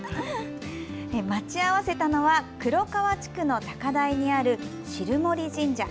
待ち合わせたのは黒川地区の高台にある汁守神社。